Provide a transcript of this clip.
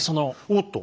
おっと。